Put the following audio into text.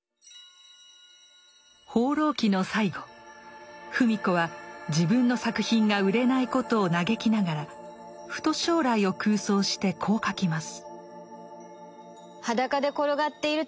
「放浪記」の最後芙美子は自分の作品が売れないことを嘆きながらふと将来を空想してこう書きます。